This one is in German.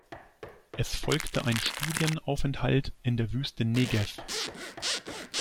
Es folgte ein Studienaufenthalt in der Wüste Negev.